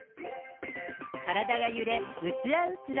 体が揺れ、うつらうつら。